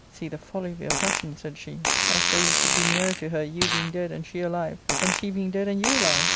" See the folly of your passion," said she ;" as though you should be nearer to her, you being dead and she alive than she being dead and you alive.